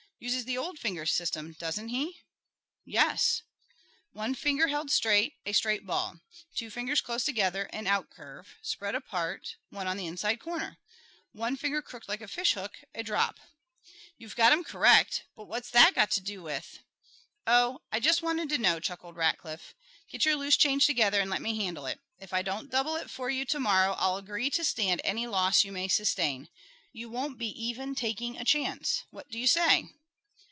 "Uses the old finger system, doesn't he?" "Yes." "One finger held straight, a straight ball. Two fingers close together, an outcurve; spread apart, one on the inside corner. One finger crooked like a fish hook, a drop." "You've got 'em correct, but what's that got to do with " "Oh, I just wanted to know," chuckled Rackliff. "Get your loose change together and let me handle it. If I don't double it for you to morrow I'll agree to stand any loss you may sustain. You won't be even taking a chance. What do you say?"